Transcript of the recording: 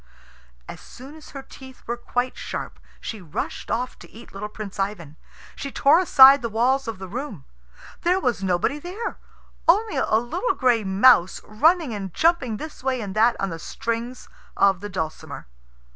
As soon as her teeth were quite sharp she rushed off to eat little Prince Ivan. She tore aside the walls of the room. There was nobody there only a little gray mouse running and jumping this way and that on the strings of the dulcimer.